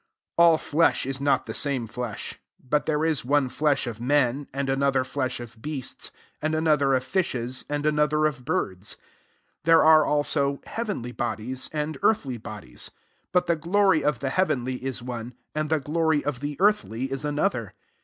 39 All flesh ft not the same flesh : but there is one ^esh of men, and another [flesh] of beasts, and another of fishes, and another of birds. 40 There g,re also heavenly bodies, and earthly bodies; but the glory of the heavenly is one, and M^ Slory of the earthly is aaotber.